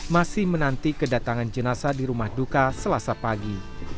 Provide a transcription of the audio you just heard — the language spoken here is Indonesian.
masih menanti kedatangan jenazah di rumah duka selasa pagi